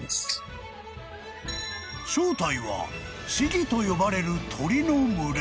［正体はシギと呼ばれる鳥の群れ］